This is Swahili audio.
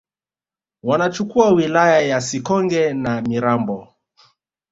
wanachukua wilaya ya Sikonge na Mirambo